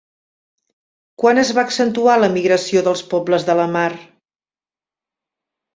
Quan es va accentuar l'emigració dels pobles de la mar?